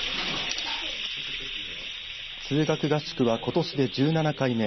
通学合宿はことしで１７回目。